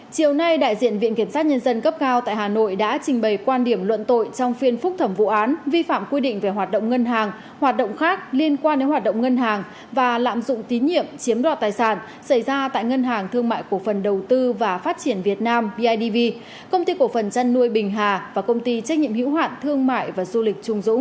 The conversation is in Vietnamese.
chiều nay đại diện viện kiểm sát nhân dân cấp cao tại hà nội đã trình bày quan điểm luận tội trong phiên phúc thẩm vụ án vi phạm quy định về hoạt động ngân hàng hoạt động khác liên quan đến hoạt động ngân hàng và lạm dụng tín nhiệm chiếm đoạt tài sản xảy ra tại ngân hàng thương mại cổ phần đầu tư và phát triển việt nam bidv công ty cổ phần trân nuôi bình hà và công ty trách nhiệm hữu hoạn thương mại và du lịch trung dũng